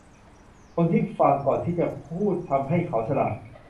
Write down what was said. คนที่ฟังก่อนที่จะพูดทำให้เขาฉลาด